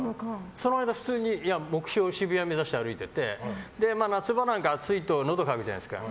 その間目標は渋谷を目指して歩いてて夏場なんか暑いとのど乾くじゃないですか。